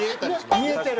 見えてる。